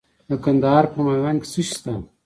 د کندهار په میوند کې څه شی شته؟